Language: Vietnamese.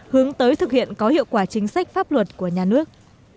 hướng tới thực hiện có hiệu quả chính sách pháp luật của nhà nước